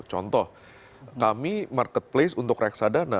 contoh kami marketplace untuk reksadana